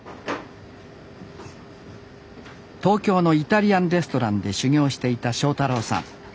東京のイタリアンレストランで修業をしていた正太郎さん。